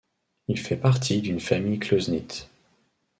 Il fait partie d'une famille closeknit.